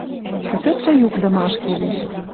Кӹзӹтшӹ юкдымы ашкедеш.